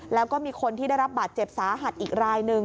แล้วก็มีคนที่ได้รับบัตรเจ็บสาหัสอีกราย๑